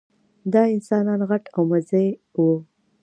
دا انسانان غټ او مزي وو.